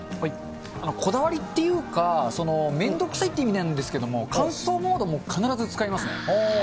こだわりっていうか、めんどくさいって意味なんですけど、乾燥モード必ず使いますね。